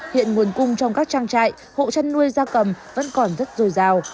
hiện nguồn cung trong các trang trại hộ chăn nuôi da cầm vẫn còn rất dồi dào